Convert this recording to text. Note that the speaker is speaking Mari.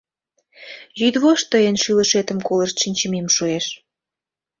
Йӱдвошт тыйын шӱлышетым колышт шинчымем шуэш...